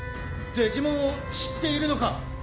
デジモンを知っているのか？